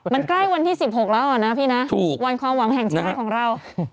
มันใกล้วันที่๑๖แล้วอ่ะนะพี่นะถูกวันความหวังแห่งชาติของเรา